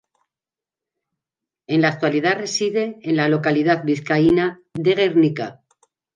En la actualidad reside en la localidad vizcaína de Gernika.